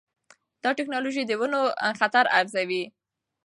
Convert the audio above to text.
دا ټکنالوجي د ونو خطر ارزوي.